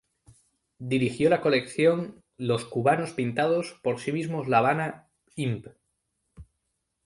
Dirigió la colección Los cubanos pintados por sí mismos La Habana, Imp.